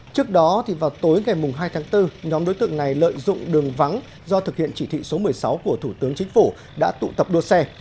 trước đó vào tối ngày hai tháng bốn nhóm đối tượng này lợi dụng đường vắng do thực hiện chỉ thị số một mươi sáu của thủ tướng chính phủ đã tụ tập đua xe